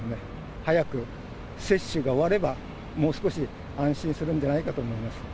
早く接種が終われば、もう少し安心するんじゃないかと思います。